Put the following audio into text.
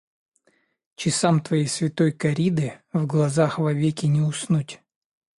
Часам твоей святой корриды в глазах вовеки не уснуть.